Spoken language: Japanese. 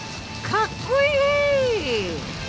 かっこいい！